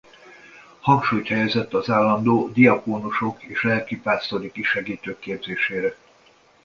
Hangsúlyt helyezett az állandó diakónusok és lelkipásztori kisegítők képzésére.